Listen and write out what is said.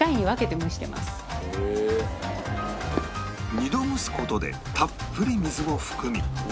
２度蒸す事でたっぷり水を含み